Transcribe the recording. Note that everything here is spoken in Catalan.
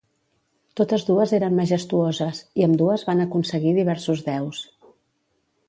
Totes dues eren majestuoses i ambdues van aconseguir diversos deus.